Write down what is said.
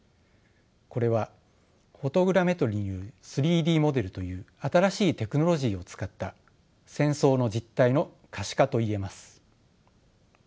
これはフォトグラメトリによる３Ｄモデルという新しいテクノロジーを使った戦争の実態の可視化といえます。